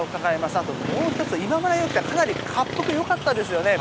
あともう１つ、今村容疑者かなり恰幅がよかったですよね。